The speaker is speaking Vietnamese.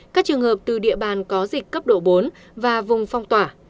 các trường hợp từ địa bàn có dịch cấp độ bốn và vùng phong tỏa